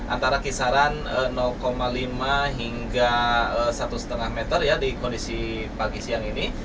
antara kisaran lima hingga satu lima meter ya di kondisi pagi siang ini